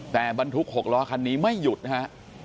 แต่บรรทุก๖ล้อคันนี้ไม่หยุดนะฮะ